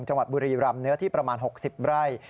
จังหวัดบุรีรำเนื้อที่ประมาณ๖๐ไร่